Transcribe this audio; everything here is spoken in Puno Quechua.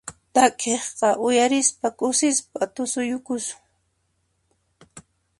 Takiqta uyarispa kusisqa tusuyukusun.